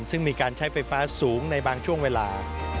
ซึ่งมีการใช้ไฟฟ้าสูงในบางช่วงเวลา